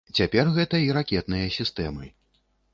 Цяпер гэта і ракетныя сістэмы.